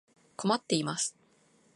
困っています。